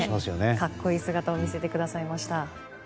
格好いい姿を見せてくださいました。